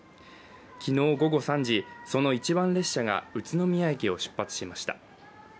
昨日午後３時、その一番列車が宇都宮駅を出発しました。